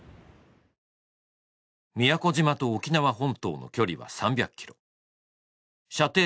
宮古島と沖縄本島の距離は３００キロ射程